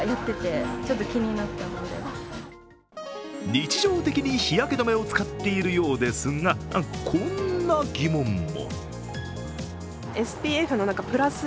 日常的に日焼け止めを使っているようですが、こんな疑問も。